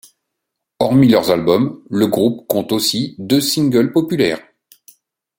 Hormis leurs albums, le groupe compte aussi deux singles populaires.